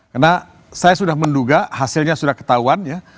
karena saya sudah menduga hasilnya sudah ketahuan ya